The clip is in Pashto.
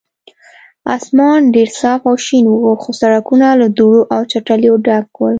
اسمان ډېر صاف او شین و، خو سړکونه له دوړو او چټلیو ډک ول.